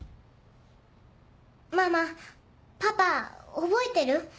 ママパパ覚えてる？